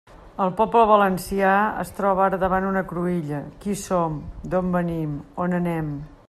El poble valencià es troba ara davant una cruïlla: qui som, d'on venim, on anem.